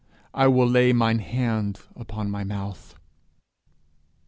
I will lay mine hand upon my mouth.'